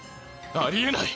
ありえない！